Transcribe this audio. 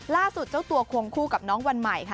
เจ้าตัวควงคู่กับน้องวันใหม่ค่ะ